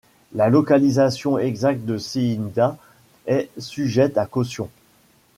La localisation exacte de Cyinda est sujette à caution.